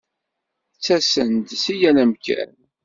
Ttasen-d si yal amkan.